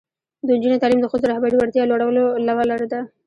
د نجونو تعلیم د ښځو رهبري وړتیا لوړولو لاره ده.